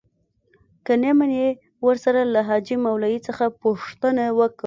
که نې منې ورسه له حاجي مولوي څخه پوښتنه وکه.